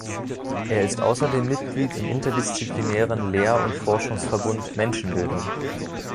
Er ist außerdem Mitglied im interdisziplinären Lehr- und Forschungsverbund „Menschenbilder“.